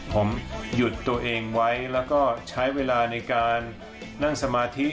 ผมหยุดตัวเองไว้แล้วก็ใช้เวลาในการนั่งสมาธิ